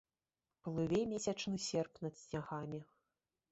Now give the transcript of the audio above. Плыве месячны серп над снягамі.